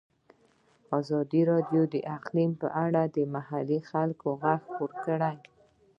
ازادي راډیو د اقلیم په اړه د محلي خلکو غږ خپور کړی.